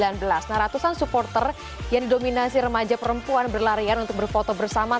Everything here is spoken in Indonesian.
nah ratusan supporter yang didominasi remaja perempuan berlarian untuk berfoto bersama